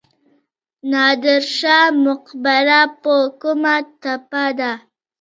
نادر شاه مقبره په کومه تپه ده؟